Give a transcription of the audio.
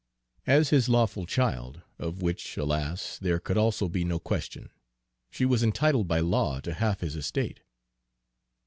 As his lawful child, of which, alas! there could also be no question, she was entitled by law to half his estate.